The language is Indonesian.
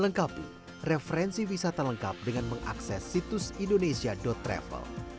lengkapi referensi wisata lengkap dengan mengakses situs indonesia travel